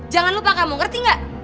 jangan lupa kamu ngerti gak